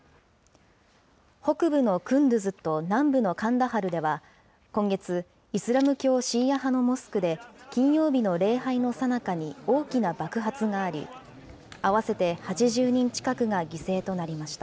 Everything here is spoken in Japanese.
北部のクンドゥズと南部のカンダハルでは、今月、イスラム教シーア派のモスクで金曜日の礼拝のさなかに大きな爆発があり、合わせて８０人近くが犠牲となりました。